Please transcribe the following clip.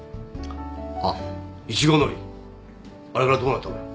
あっいちごのりあれからどうなったのよ。